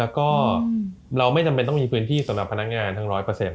ก็เราไม่จำเป็นต้องมีพื้นที่สำหรับพนักงานทั้ง๑๐๐